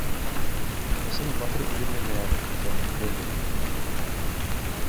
Ысын батыр үлеме менән шәһит булды, бахыр...